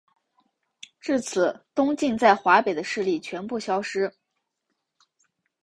至此东晋在华北的势力全部消灭。